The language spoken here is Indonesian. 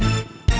ya sudah pak